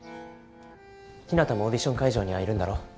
ひなたもオーディション会場にはいるんだろ？